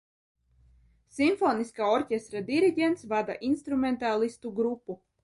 Simfoniskā orķestra diriģents vada instrumentālistu grupu.